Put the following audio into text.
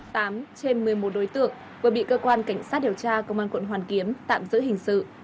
trên một mươi một đối tượng vừa bị cơ quan cảnh sát điều tra công an quận hoàn kiếm tạm giữ hình sự